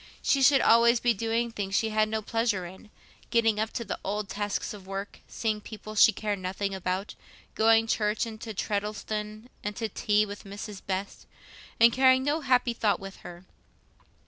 She should always be doing things she had no pleasure in, getting up to the old tasks of work, seeing people she cared nothing about, going to church, and to Treddleston, and to tea with Mrs. Best, and carrying no happy thought with her.